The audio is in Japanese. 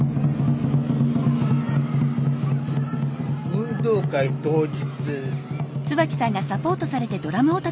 運動会当日。